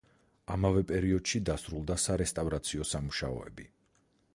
ამავე პერიოდში დასრულდა სარესტავრაციო სამუშაოები.